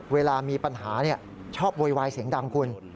เวลามีปัญหาชอบโวยวายเสียงดังคุณ